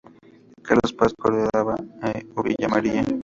Carlos Paz, Córdoba o Villa María.